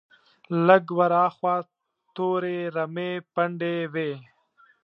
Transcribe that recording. لږ ور هاخوا تورې رمې پنډې وې.